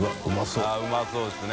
うまそうですね。